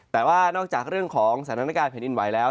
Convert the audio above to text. แต่ว่านอกจากเรื่องของสถานการณ์แผ่นดินไหวแล้ว